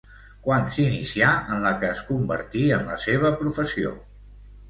Quan s'inicià en la que es convertí en la seva professió?